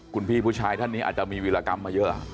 คุณพี่ผู้ชายท่านนี้อาจจะมีวิรากรรมมาเยอะ